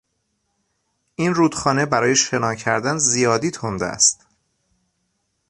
این رودخانه برای شنا کردن زیادی تند است.